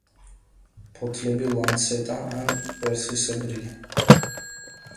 ფოთლები ლანცეტა ან კვერცხისებრია.